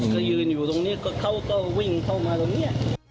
ก็ยืนอยู่ตรงนี้เขาก็วิ่งเข้ามาตรงนี้